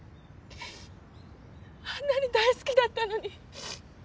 あんなに大好きだったのに。